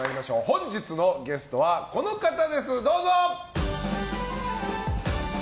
本日のゲストは、この方です。